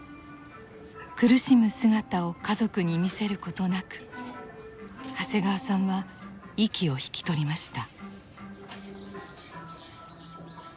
苦しむ姿を家族に見せることなく長谷川さんは息を引き取りました。